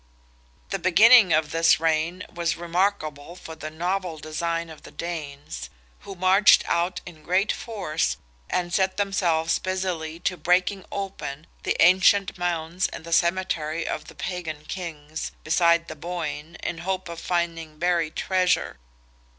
The beginning of this reign was remarkable for the novel design of the Danes, who marched out in great force, and set themselves busily to breaking open the ancient mounds in the cemetery of the Pagan kings, beside the Boyne, in hope of finding buried treasure.